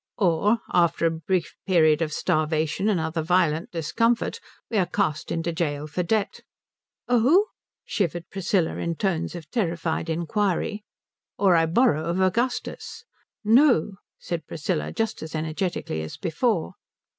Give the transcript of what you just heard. "Or, after a brief period of starvation and other violent discomfort, we are cast into gaol for debt " "Oh?" shivered Priscilla, in tones of terrified inquiry. "Or, I borrow of Augustus." "No," said Priscilla, just as energetically as before.